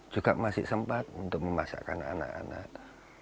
juga masih sempat untuk memasakkan anak anak